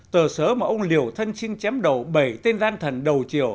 tờ sớ mà ông liều thân sinh chém đầu bảy tên gian thần đầu triều